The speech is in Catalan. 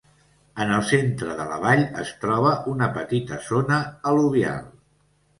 En el centre de la vall es troba una petita zona al·luvial.